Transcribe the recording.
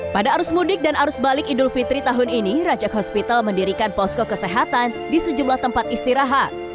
pada arus mudik dan arus balik idul fitri tahun ini rajak hospital mendirikan posko kesehatan di sejumlah tempat istirahat